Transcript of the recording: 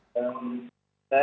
saya menunggu di bayi